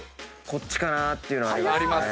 こっちかなっていうのは。